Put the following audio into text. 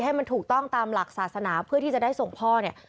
ให้มันถูกต้องตามหลักศาสนาเพื่อที่จะได้ส่งพ่อเนี่ย